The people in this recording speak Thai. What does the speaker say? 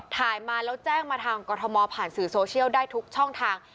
ถ่ายมาแล้วแจ้งมาทางกรทมผ่านสื่อโซเชียลได้ทุกช่องทาง